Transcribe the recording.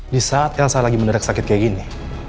di saat elsa lagi menerak sakit kayak gini